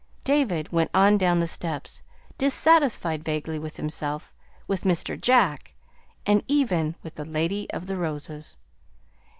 David went on down the steps, dissatisfied vaguely with himself, with Mr. Jack, and even with the Lady of the Roses.